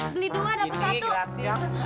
beli dua dapat satu